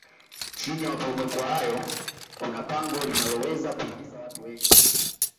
chini ya maporomoko hayo kuna pango linaloweza kuingiza watu wengi